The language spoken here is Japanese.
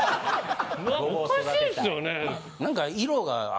おっかしいっすよね？